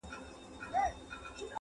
یو په یو یې ور حساب کړله ظلمونه!